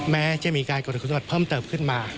แม้จะมีการกดคุณสมบัติเพิ่มเติมขึ้นมา